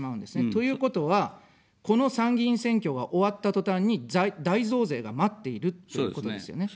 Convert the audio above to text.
ということは、この参議院選挙が終わったとたんに大増税が待っているということですよね。